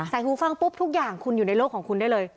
หูฟังปุ๊บทุกอย่างคุณอยู่ในโลกของคุณได้เลย